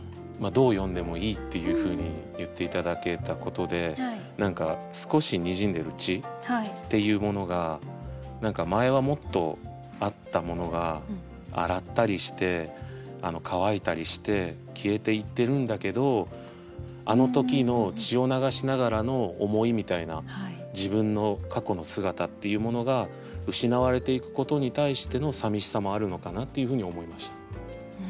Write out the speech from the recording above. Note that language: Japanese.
どう読んでもいいっていうふうに言って頂けたことで少しにじんでる血っていうものが前はもっとあったものが洗ったりして乾いたりして消えていってるんだけどあの時の血を流しながらの思いみたいな自分の過去の姿っていうものが失われていくことに対してのさみしさもあるのかなっていうふうに思いました。